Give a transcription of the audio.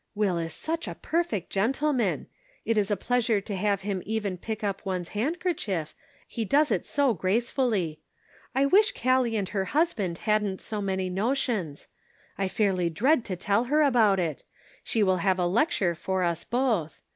Will is such a perfect gentleman ; it is a pleas ure to have him even pick up one's handker chief, he does it so gracefully. I wish Callie and her husband hadn't so many notions. I fairly dread to tell her about it ; she will have a lecture for us both.